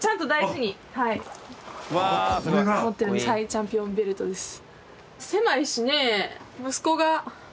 チャンピオンベルトです。